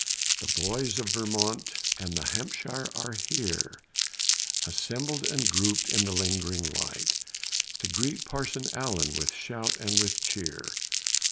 The boys of Vermont and New Hampshire are here, Assembled and grouped in the lingering light, To greet Parson Allen with shout and with cheer.